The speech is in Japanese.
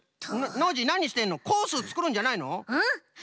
ノージーなにしてんの？コースをつくるんじゃないの？